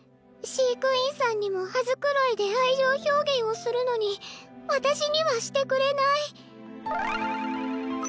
飼育員さんにも羽繕いで愛情表現をするのに私にはしてくれない。